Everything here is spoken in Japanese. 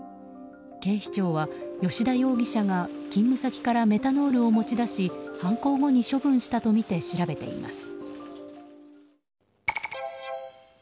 警視庁は、吉田容疑者が勤務先からメタノールを持ち出し犯行後に処分したとみて調べています。